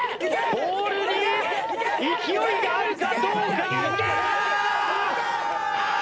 ボールに勢いがあるかどうか？